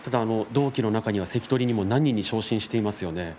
同期の中には関取にも何人も昇進していますね。